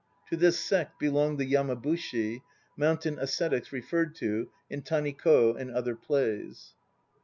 To this sect belonged the Yamabushi, mountain ascetics referred to in Tanikd and other plays.